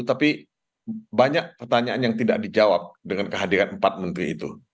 tapi banyak pertanyaan yang tidak dijawab dengan kehadiran empat menteri itu